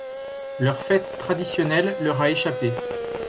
Leur fête traditionnelle leur a échappée.